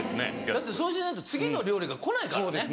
だってそうしないと次の料理が来ないからね。